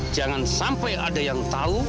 jangan sampai ada yang tahu